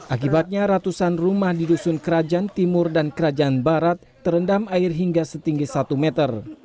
akibatnya ratusan rumah di dusun kerajaan timur dan kerajaan barat terendam air hingga setinggi satu meter